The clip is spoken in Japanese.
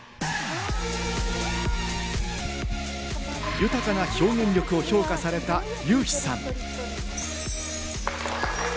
豊かな表現力を評価されたユウヒさん。